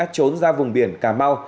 trốn ra vùng biển cà mau